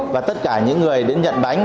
và tất cả những người đến nhận bánh